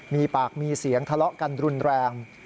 มีปากมีเสียงทะเลาะกันรุนแรง